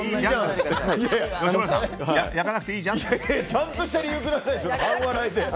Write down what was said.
ちゃんとした理由をください。